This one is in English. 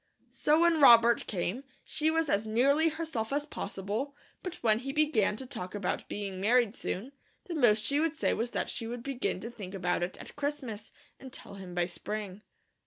So when Robert came, she was as nearly herself as possible, but when he began to talk about being married soon, the most she would say was that she would begin to think about it at Christmas, and tell him by spring.